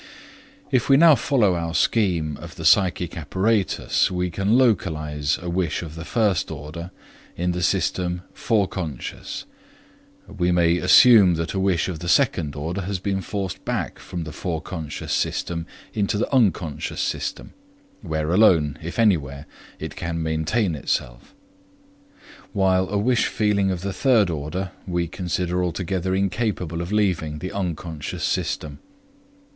If we now follow our scheme of the psychic apparatus, we can localize a wish of the first order in the system Forec. We may assume that a wish of the second order has been forced back from the Forec. system into the Unc. system, where alone, if anywhere, it can maintain itself; while a wish feeling of the third order we consider altogether incapable of leaving the Unc. system.